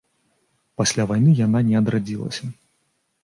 Пасля вайны яна не адрадзілася.